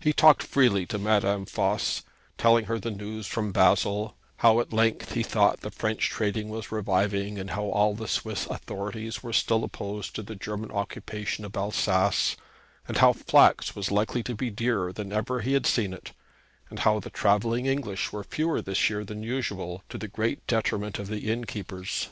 He talked freely to Madame Voss, telling her the news from Basle, how at length he thought the French trade was reviving, and how all the Swiss authorities were still opposed to the German occupation of Alsace; and how flax was likely to be dearer than ever he had seen it; and how the travelling English were fewer this year than usual, to the great detriment of the innkeepers.